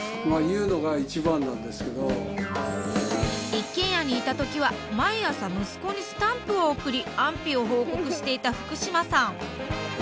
一軒家にいた時は毎朝息子にスタンプを送り安否を報告していた福島さん。